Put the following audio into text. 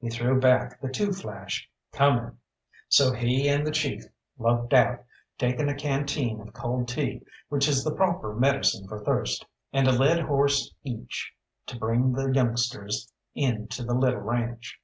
He threw back the two flash, "Coming." So he and the chief loped out, taking a canteen of cold tea, which is the proper medicine for thirst, and a led horse each, to bring the youngsters in to the little ranche.